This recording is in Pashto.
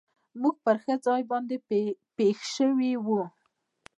موږ پر ښه ځای باندې پېښ شوي و.